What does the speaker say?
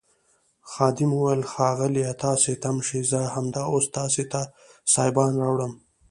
خادم وویل ښاغلیه تاسي تم شئ زه همدا اوس تاسي ته سایبان راوړم.